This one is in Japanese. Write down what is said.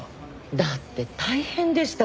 だって大変でしたから。